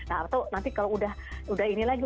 nah atau nanti kalau udah ini lagi